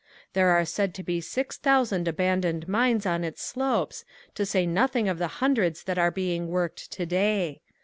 There are said to be six thousand abandoned mines on its slopes to say nothing of the hundreds that are being worked today.